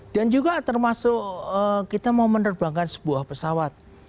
dan juga termasuk kita mau menerbangkan sebuah pesawat